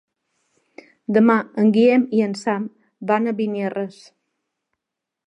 Demà en Guillem i en Sam van a Beniarrés.